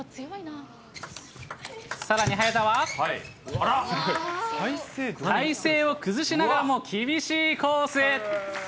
さらに早田は、体勢を崩しながらも厳しいコースへ。